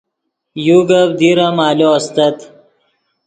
یو گپ دیر ام آلو استت